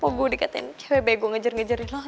pobo dikatain cewek gue ngejar ngejarin lo